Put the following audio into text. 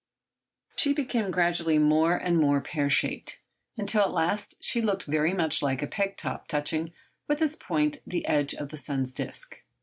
She became gradually more and more pear shaped, until at last she looked very much like a peg top touching with its point the edge of the sun's disc.